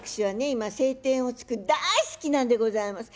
今「青天を衝け」大好きなんでございます。